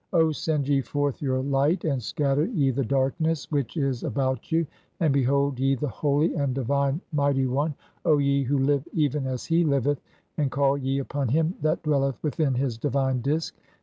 "O send ye forth your light and scatter ye the darkness [which "is about] you, and behold ye the holy and divine (4) Mighty "One, O ye who live even as he liveth, and call ye upon him "that dwelleth within his divine Disk.